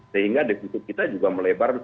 sehingga defisit kita juga melebar